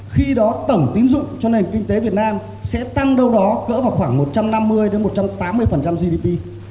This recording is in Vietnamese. khi đó tổng tín dụng cho nền kinh tế việt nam sẽ tăng đâu đó cỡ vào khoảng một trăm năm mươi một trăm tám mươi gdp